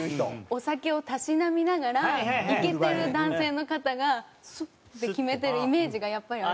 お酒をたしなみながらイケてる男性の方がスッて決めてるイメージがやっぱりあります。